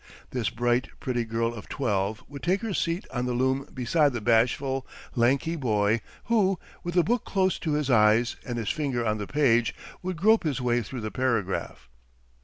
This bright, pretty girl of twelve would take her seat on the loom beside the bashful, lanky boy, who, with the book close to his eyes and his finger on the page, would grope his way through the paragraph.